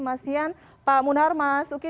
mas yan pak munar mas uki